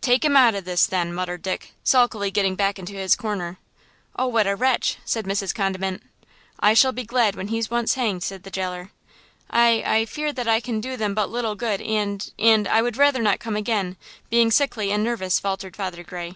"Take 'im out o' this, then!" muttered Dick, sulkily getting back into this corner. "Oh, what a wretch!" said Mrs. Condiment. "I shall be glad when he's once hanged!" said the jailer. "I–I–fear that I can do them but little good, and–and I would rather not come again, being sickly and nervous," faltered Father Gray.